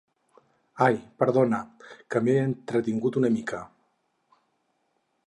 Ai, perdona, que m'he entretingut una mica.